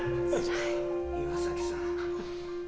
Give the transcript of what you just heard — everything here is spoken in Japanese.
岩崎さん。